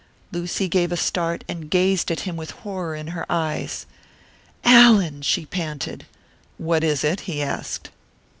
Lucy gave a start, and gazed at him with horror in her eyes. "Allan!" she panted. "What is it?" he asked.